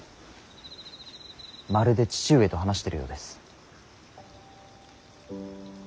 まるで父上と話してるようです。